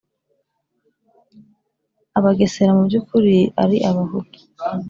abagesera mu by'ukuri ari abahutu.